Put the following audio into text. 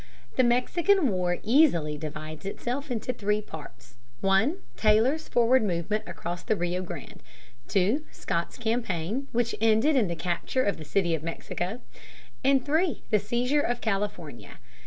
The Mexican War easily divides itself into three parts: (1) Taylor's forward movement across the Rio Grande; (2) Scott's campaign, which ended in the capture of the City of Mexico; and (3) the seizure of California.